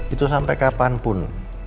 itu sampai kapanpun